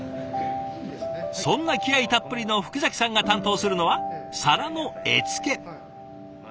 そんな気合いたっぷりの福崎さんが担当するのは皿の絵付け。